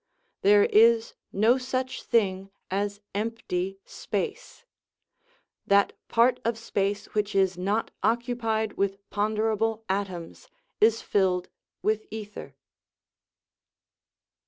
There is no such thing as empty space; that part of space which is not occupied with ponderable atoms is filled with ether.